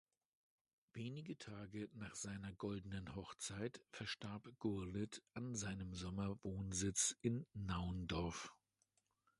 Wenige Tage nach seiner Goldenen Hochzeit verstarb Gurlitt an seinem Sommerwohnsitz in Naundorf.